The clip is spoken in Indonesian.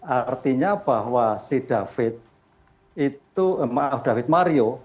artinya bahwa si david itu maaf david mario